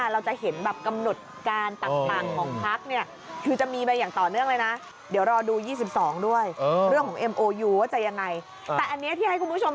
เราจะเห็นแบบกำหนดการต่างของพรรค